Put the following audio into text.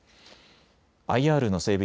ＩＲの整備